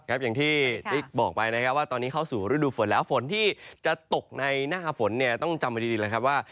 อย่างที่ได้บอกไปนะครับว่าตอนนี้เข้าสู่ฤดูฝนแล้วฝนที่จะตกในหน้าฝนเนี่ยต้องจำไว้ดีเลยครับว่า